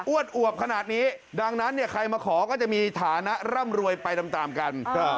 อวบขนาดนี้ดังนั้นเนี่ยใครมาขอก็จะมีฐานะร่ำรวยไปตามกัน